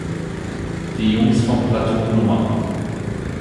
Die Jungs von Platoon Nr.